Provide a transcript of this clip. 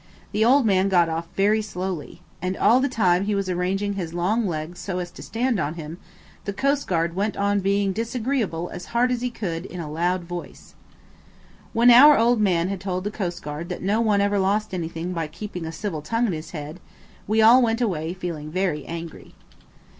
The old man got off very slowly. And all the time he was arranging his long legs so as to stand on them, the coastguard went on being disagreeable as hard as he could, in a loud voice. A COASTGUARD ORDERED US QUITE HARSHLY NOT TO LEAN ON THE BOAT. When our old man had told the coastguard that no one ever lost anything by keeping a civil tongue in his head, we all went away feeling very angry.